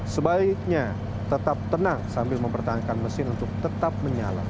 sebaiknya tetap tenang sambil mempertahankan mesin untuk tetap menyala